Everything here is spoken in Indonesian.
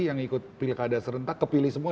yang ikut pilkada serentak kepilih semua